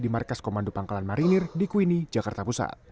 di markas komando pangkalan marinir di kuinni jakarta pusat